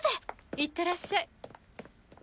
いってらっしゃい。